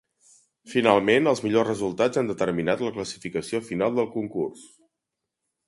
Finalment, els millors resultats han determinat la classificació final del Concurs.